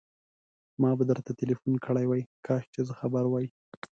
ما به درته ټليفون کړی وای، کاش چې زه خبر وای.